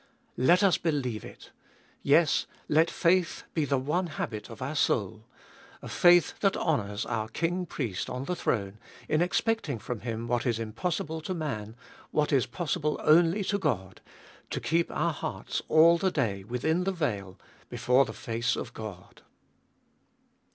Let us believe it. Yes, let faith be the one habit of our soul — a faith that honours our King Priest on the throne in expecting from Him what is impossible to man, what is possible only to God, to keep our hearts all the day within the veil be fore the face of God.